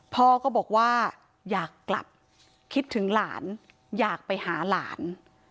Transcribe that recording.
พ่อก็บอกว่าอยากกลับคิดถึงหลานอยากไปหาหลาน